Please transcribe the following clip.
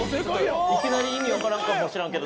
いきなり意味わからんかもしらんけど。